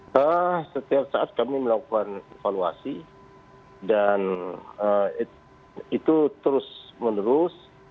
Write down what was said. setiap saat kami melakukan evaluasi dan itu terus menerus